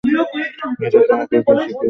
এটা তোমাকে কে শিখিয়েছে?